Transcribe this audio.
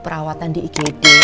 perawatan di igd